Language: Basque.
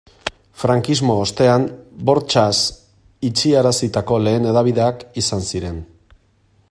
Frankismo ostean bortxaz itxiarazitako lehen hedabideak izan ziren.